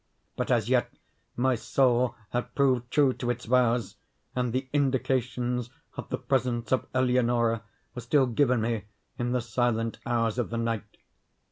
But as yet my soul had proved true to its vows, and the indications of the presence of Eleonora were still given me in the silent hours of the night.